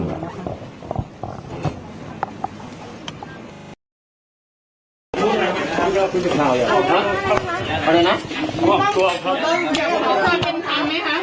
ขอบคุณครับขอบคุณครับขอบคุณครับขอบคุณครับขอบคุณครับ